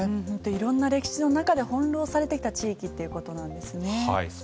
いろんな歴史の中で翻ろうされてきた地域っていうことなんですね。